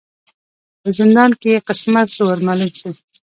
په زندان کی یې قسمت سو ور معلوم سو